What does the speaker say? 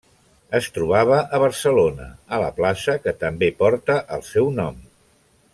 Es trobava a Barcelona, a la plaça que també porta el seu nom.